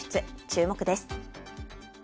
注目です。